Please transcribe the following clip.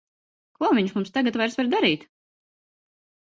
Ko viņš mums tagad vairs var darīt!